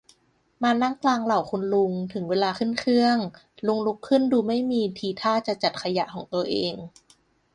มานั่งกลางเหล่าคุณลุง ถึงเวลาขึ้นเครื่อง ลุงลุกขึ้นดูไม่มีทีท่าจะจัดขยะของตัวเอง